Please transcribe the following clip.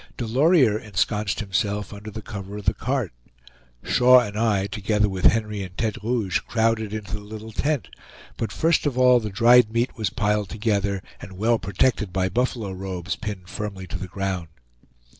Delorier ensconced himself under the cover of the cart. Shaw and I, together with Henry and Tete Rouge, crowded into the little tent; but first of all the dried meat was piled together, and well protected by buffalo robes pinned firmly to the ground.